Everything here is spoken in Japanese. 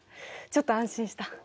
ちょっと安心した。